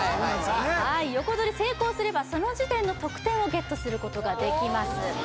横取り成功すればその時点の得点をＧＥＴすることができます